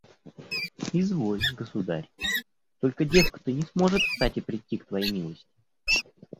– «Изволь, государь; только девка-то не сможет встать и придти к твоей милости».